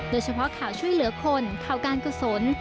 โดยเฉพาะข่าวช่วยเหลือคนข่าวการกุศล